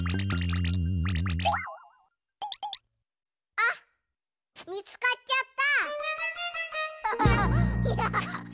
あっみつかっちゃった！